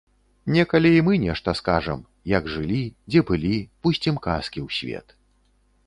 Некалі і мы нешта скажам, як жылі, дзе былі, пусцім казкі ў свет.